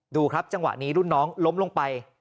ดูครับจังหวะนี้รุ่นน้องล้มลงไป